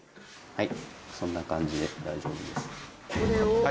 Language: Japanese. はい。